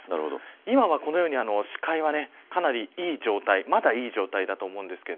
今は、このように視界はかなり、いい状態だと思います。